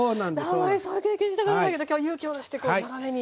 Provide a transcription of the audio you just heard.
あまりそういう経験したことないけど今日は勇気を出して長めに。